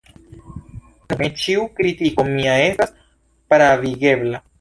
Nu, ne ĉiu kritiko mia estas pravigebla.